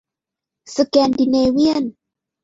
สแกนดิเนเวียน